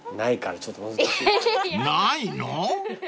［ないの？］